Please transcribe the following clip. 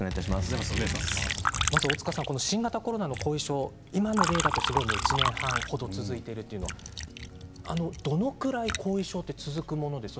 大塚さん、新型コロナの後遺症今の例だと１年半程、続いているということなんですがどのくらい後遺症は続くものですか？